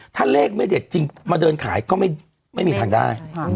ถ้าเลขไม่เด็ดจริงมาเดินขายก็ไม่มีทางได้